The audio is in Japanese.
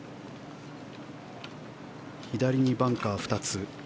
左にバンカー２つ。